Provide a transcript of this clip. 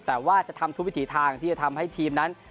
แต่ว่าจะทำทุกวิถีทางที่จะทำให้ทีมนั้น